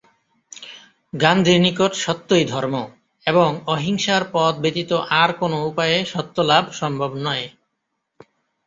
গান্ধীর নিকট সত্যই ধর্ম এবং অহিংসার পথ ব্যতীত আর কোনো উপায়ে সত্যলাভ সম্ভব নয়।